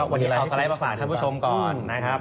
วันนี้เราเอาสไลด์มาฝากท่านผู้ชมก่อนนะครับ